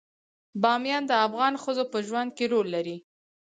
بامیان د افغان ښځو په ژوند کې رول لري.